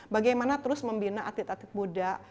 bagaimana terus membina atlet atlet muda